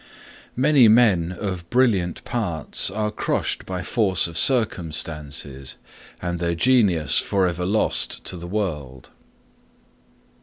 Many men of brilliant parts are crushed by force of circumstances and their genius forever lost to the world.